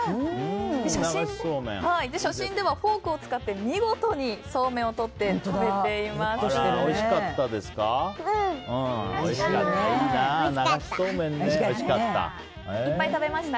写真ではフォークを使って見事に、そうめんを取って食べています。